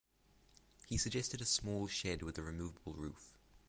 He suggested a small shed with a removable roof.